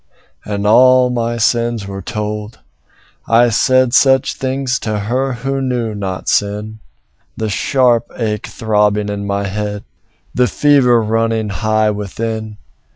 And all my sins were told; I said Such things to her who knew not sin The sharp ache throbbing in my head, The fever running high within.